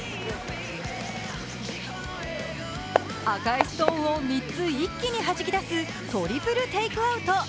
赤いストーンを３つ一気にはじき出すトリプルテイクアウト。